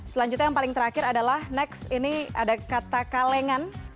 selanjutnya yang paling terakhir adalah next ini ada kata kalengan